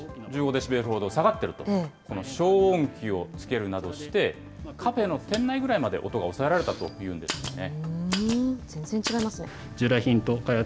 デシベルほど下がってると、この消音器を付けるなどして、カフェの店内ぐらいまで音が抑えられたというんですね。